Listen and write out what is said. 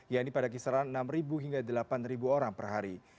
yaitu pada kisaran enam hingga delapan orang per hari